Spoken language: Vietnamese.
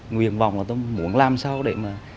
nguyện vọng là tôi muốn làm sao để mà